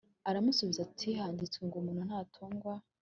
Aramusubiza ati Handitswe ngo Umuntu ntatungwa